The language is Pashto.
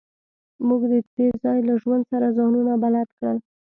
موږ د دې ځای له ژوند سره ځانونه بلد کړل